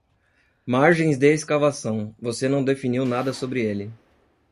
Margens de escavação, você não definiu nada sobre ele.